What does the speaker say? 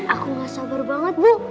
aku gak sabar banget bu